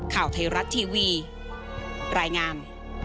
ข่าวไทยรัฐทีวีรายงาน